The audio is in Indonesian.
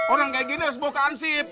orang kayak gini harus dibawa ke ansip